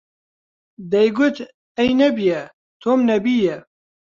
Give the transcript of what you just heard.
دەیگوت: ئەی نەبیە، تۆم نەبییە